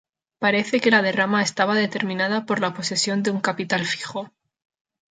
Parece que la derrama estaba determinada por la posesión de un capital fijo.